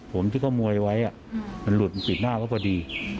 ผมที่เขามวยไว้มันหลุดปิดหน้าเขาพอดี